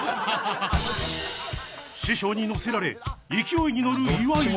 師匠に乗せられ勢いに乗る岩井は。